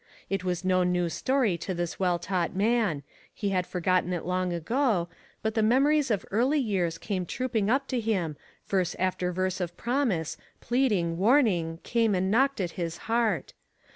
It was no new story to this well taught man. He had forgotten it long ago ; but the memo ries of early years came trooping up to him, verse after verse of promise, pleading, warning, came and knocked at his heart.